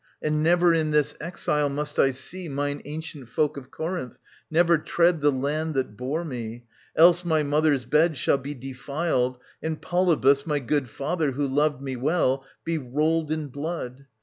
And never in this exile must I see Mine ancient folk of Corinth, never tread The land that bore me ; else my mother's bed Shall be defiled, and Polybus, my good Father, who loved me well, be rolled in blood.